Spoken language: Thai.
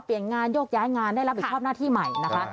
งานโยกย้ายงานได้รับผิดชอบหน้าที่ใหม่นะคะ